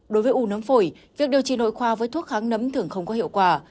đối với u nấm phổi việc điều trị nội khoa với thuốc kháng nấm thường không có hiệu quả